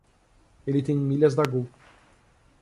Ele tem milhas da Gol.